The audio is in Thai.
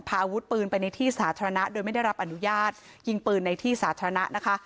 อาวุธปืนไปในที่สาธารณะโดยไม่ได้รับอนุญาตยิงปืนในที่สาธารณะนะคะ